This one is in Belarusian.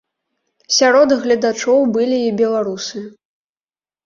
Сярод гледачоў былі і беларусы.